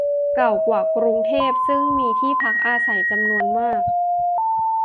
เก่ากว่ากรุงเทพ ซึ่งมีที่พักอาศัยจำนวนมาก